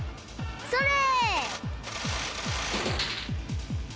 それ！